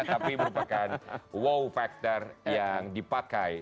tapi merupakan wow factor yang dipakai